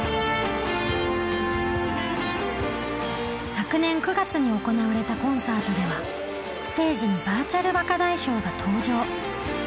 昨年９月に行われたコンサートではステージにバーチャル若大将が登場。